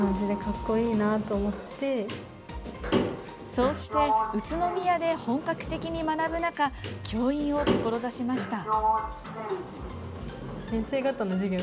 そうして宇都宮で本格的に学ぶ中教員を志しました。